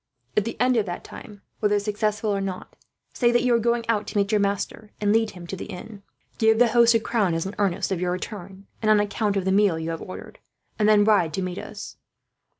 "At the end of that time, whether successful or not, say that you are going out to meet your master and lead him to the inn. Give the host a crown, as an earnest of your return and on account of the meal you have ordered, and then ride to meet us.